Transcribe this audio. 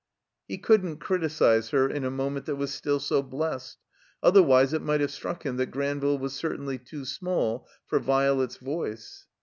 He couldn't criticize her in a moment that was still so blessed; otherwise it might have struck him that Granville was certainly too small for Violet's voice.